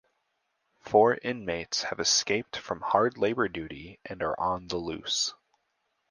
Four inmates have escaped from hard labor duty and are on the loose.